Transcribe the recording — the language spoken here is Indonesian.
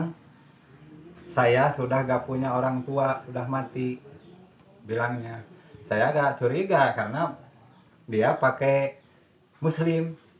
hai saya sudah gak punya orang tua sudah mati bilangnya saya ada suriga karena dia pakai muslim